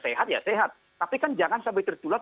sehat ya sehat tapi kan jangan sampai tertular